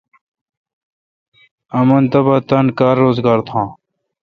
امن تبا تان کار روزگار تھان۔